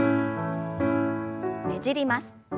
ねじります。